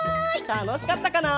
たのしかったかな？